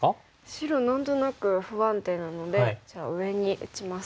白何となく不安定なのでじゃあ上に打ちます。